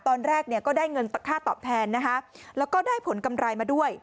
ตอนแรกเนี่ยก็ได้เงินค่าตอบแทนนะคะแล้วก็ได้ผลกำไรมาด้วย